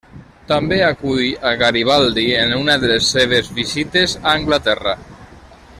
També acull a Garibaldi en una de les seves visites a Anglaterra.